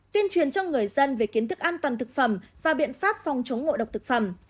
tuyên truyền cho người dân về kiến thức an toàn thực phẩm và biện pháp phòng chống ngộ độc thực phẩm